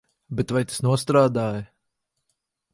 Bet vai tas nostrādāja?